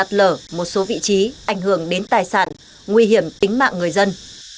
sạt lở một số vị trí ảnh hưởng đến tài sản nguy hiểm tính mạng người dân